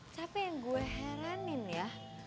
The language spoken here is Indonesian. tapi yang gue heranin ya